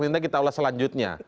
nanti kita ulas selanjutnya